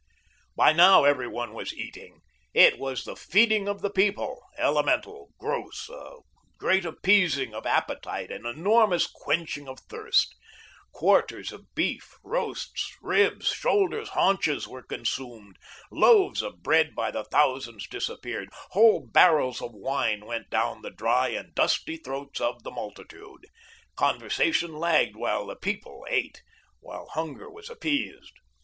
By now everyone was eating. It was the feeding of the People, elemental, gross, a great appeasing of appetite, an enormous quenching of thirst. Quarters of beef, roasts, ribs, shoulders, haunches were consumed, loaves of bread by the thousands disappeared, whole barrels of wine went down the dry and dusty throats of the multitude. Conversation lagged while the People ate, while hunger was appeased.